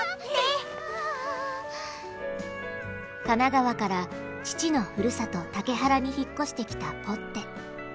神奈川から父のふるさと竹原に引っ越してきたぽって。